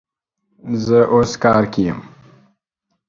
زه اوس کار کی یم